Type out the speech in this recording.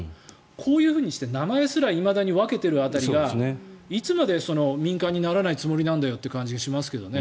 こういうふうにして、名前すらいまだに分けている辺りがいつまで民間にならないつもりなんだよって気がしますけどね。